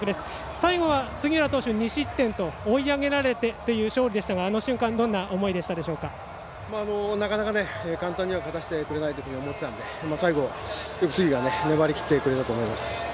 最後は杉浦投手２失点と追い上げられてという勝利でしたがなかなか簡単には勝たせてくれないと思っていたので最後はよく杉が粘ってくれたと思います。